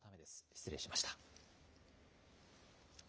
失礼しました。